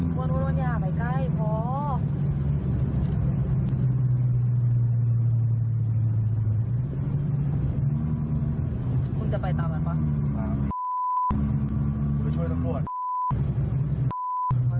ตรวจปัสสาวะสีม่วงเสพยามาตรวจปัสสาวะสีม่วงเสพยามา